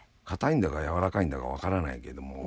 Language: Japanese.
かたいんだかやわらかいんだか分からないけども。